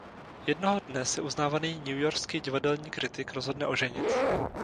Jednoho dne se uznávaný newyorský divadelní kritik rozhodne oženit.